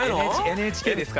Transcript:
ＮＨＫですから。